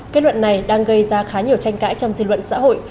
kết luận này đang gây ra khá nhiều tranh cãi trong dư luận xã hội